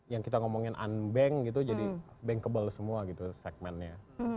yang kita ngomongin unbank gitu jadi bankable semua gitu segmennya